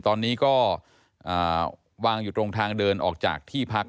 ตอนนี้ก็วางอยู่ตรงทางเดินออกจากที่พัก